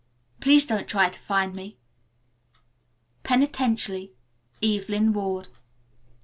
Please don't try to find me. "Penitently, "EVELYN WARD."